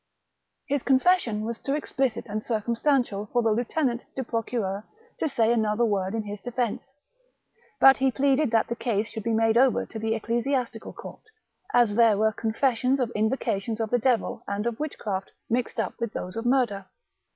" His confession was too explicit and circumstantial for the Lieutenant du Procureur to say another word in his defence; but he pleaded that the case should be made over to the ecclesiastical court, as there were confessions of invocations of the devil and of witchcraft mixed up with those of murder.